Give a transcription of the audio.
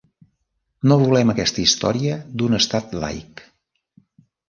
No volem aquesta història d'un Estat laic.